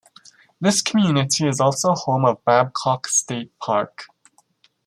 This community is also home of Babcock State Park.